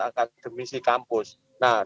akademisi kampus nah